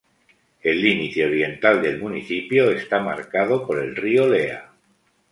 El límite oriental del municipio está marcado por el río Lea.